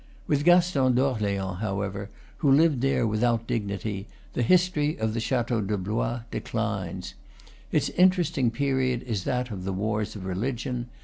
With Gaston d'Orleans, however, who lived there with out dignity, the history of the Chateau de Blois de clines. Its interesting period is that of the wars of religion.